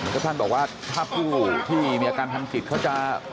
ก็ท่านบอกว่าถ้าผู้ที่มีอาการธรรมกิจ